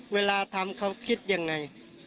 เวลาทำเขาคิดยังไง